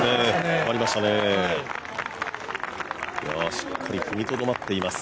しっかり踏みとどまっています